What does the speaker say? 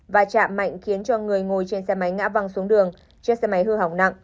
và chạm mạnh khiến cho người ngồi trên xe máy ngã văng xuống đường chiếc xe máy hư hỏng nặng